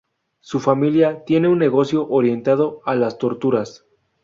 Su familia tiene un negocio orientado a las torturas.